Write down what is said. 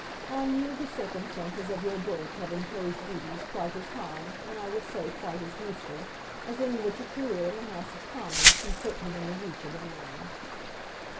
On you the circumstances of your birth have imposed duties quite as high, and I will say quite as useful, as any which a career in the House of Commons can put within the reach of a man."